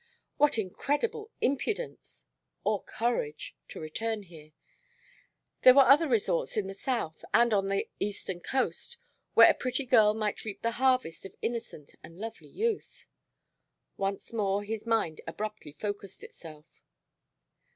What incredible impudence or courage? to return here! There were other resorts in the South and on the Eastern Coast where a pretty girl might reap the harvest of innocent and lovely youth. Once more his mind abruptly focused itself.